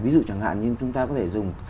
ví dụ chẳng hạn như chúng ta có thể dùng